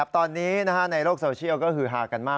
ตอนนี้ในโลกโซเชียลก็คือฮากันมาก